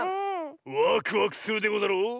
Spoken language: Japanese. ワクワクするでござろう。